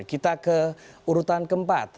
kita ke urutan keempat